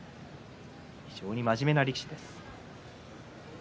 非常に真面目な力士です。